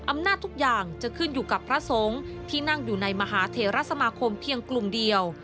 ทุกอย่างจะขึ้นอยู่กับพระสงฆ์ที่นั่งอยู่ในมหาเทราสมาคมเพียงกลุ่มเดียว